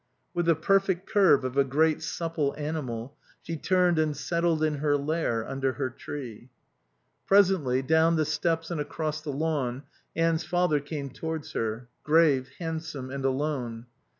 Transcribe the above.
With the perfect curve of a great supple animal, she turned and settled in her lair, under her tree. Presently, down the steps and across the lawn, Anne's father came towards her, grave, handsome, and alone.